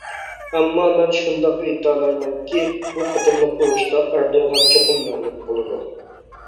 ئەمما مەن شۇنداق ئېيتالايمەنكى، بۇ قېتىملىق ئۇرۇشتا ئەردوغان چوقۇم مەغلۇپ بولىدۇ.